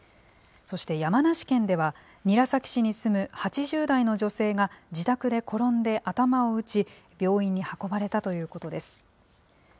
そして山梨県では、韮崎市に住む８０代の女性が自宅で転んで頭を打ち、病院に運ばれたということです。